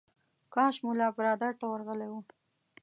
کاش ملا برادر ته ورغلی و.